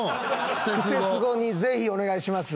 「クセスゴ」にぜひお願いします。